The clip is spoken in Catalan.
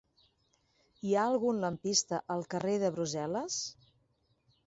Hi ha algun lampista al carrer de Brussel·les?